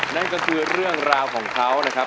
นั่นก็คือเรื่องราวของเขานะครับ